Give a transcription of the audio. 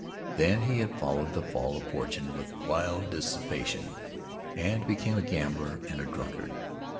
Then he had followed the fall of fortune with wild dissipation, and became a gambler and a drunkard.